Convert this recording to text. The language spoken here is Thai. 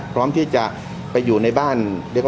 พร้อมที่จะไปอยู่ในบ้าน